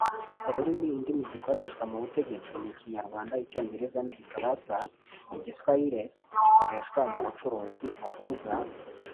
Ururimi indimi zikoreshwa mu butegetsi ni ikinyarwanda icyongereza n igifaransa igiswayire gikoreshwa mu bucuruzi buhuza